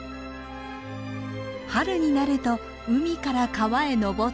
春になると海から川へ上っていくアユ。